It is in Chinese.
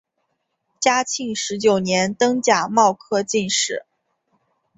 嘉庆十九年登甲戌科进士。